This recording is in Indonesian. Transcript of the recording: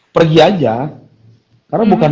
pergi aja karena bukan